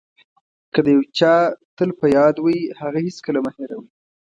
که د یو چا تل په یاد وئ هغه هېڅکله مه هیروئ.